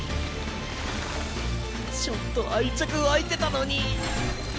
ちょっと愛着湧いてたのに。